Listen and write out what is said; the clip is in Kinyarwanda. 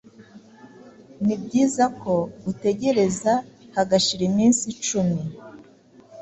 ni byiza ko utegereza hagashira iminsi icumi